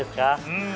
うん！